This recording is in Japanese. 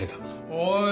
おい！